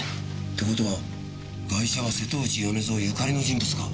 って事はガイシャは瀬戸内米蔵ゆかりの人物か！